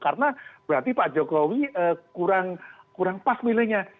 karena berarti pak jokowi kurang pas milihnya